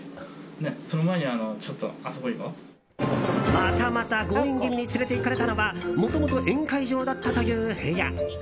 またまた、強引気味に連れていかれたのはもともと宴会場だったという部屋。